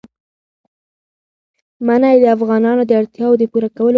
منی د افغانانو د اړتیاوو د پوره کولو وسیله ده.